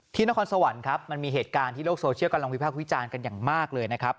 นครสวรรค์ครับมันมีเหตุการณ์ที่โลกโซเชียลกำลังวิพากษ์วิจารณ์กันอย่างมากเลยนะครับ